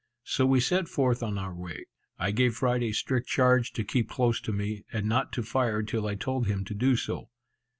So we set forth on our way. I gave Friday strict charge to keep close to me, and not to fire till I told him to do so.